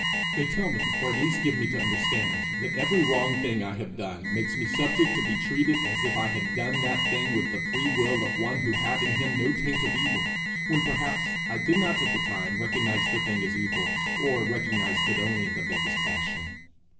They tell me, or at least give me to understand, that every wrong thing I have done makes me subject to be treated as if I had done that thing with the free will of one who had in him no taint of evil when, perhaps, I did not at the time recognize the thing as evil, or recognized it only in the vaguest fashion.